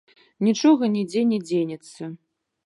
Нічога, нідзе не дзенецца.